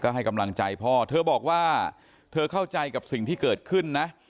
ให้กำลังใจพ่อเธอบอกว่าเธอเข้าใจกับสิ่งที่เกิดขึ้นนะ